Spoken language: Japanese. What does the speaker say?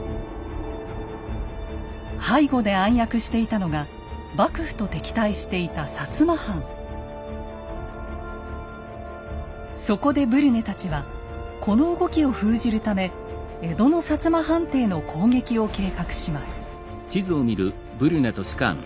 背後で暗躍していたのが幕府と敵対していたそこでブリュネたちはこの動きを封じるため江戸の摩藩邸の攻撃を計画します。